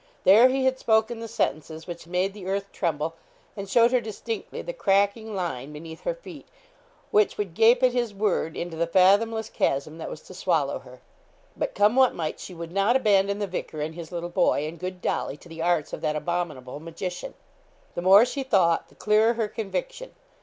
There he had spoken the sentences which made the earth tremble, and showed her distinctly the cracking line beneath her feet, which would gape at his word into the fathomless chasm that was to swallow her. But, come what might, she would not abandon the vicar and his little boy, and good Dolly, to the arts of that abominable magician. The more she thought, the clearer her conviction.